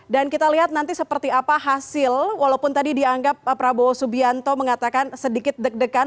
dan kita lihat nanti seperti apa hasil walaupun tadi dianggap prabowo subianto mengatakan sedikit deg degan